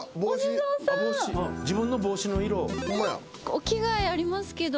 お着替えありますけど。